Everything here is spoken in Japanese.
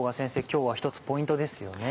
今日は一つポイントですよね？